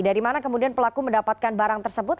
dari mana kemudian pelaku mendapatkan barang tersebut